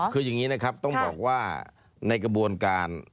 คืออย่างนี้นะครับต้องบอกว่าในกระบวนการ